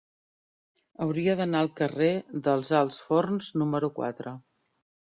Hauria d'anar al carrer dels Alts Forns número quatre.